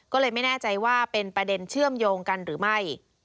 ก็เลยไม่แน่ใจว่าเป็นประเด็นเชื่อมโยงกันหรือไม่